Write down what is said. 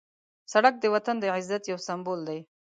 سړک د وطن د عزت یو سمبول دی.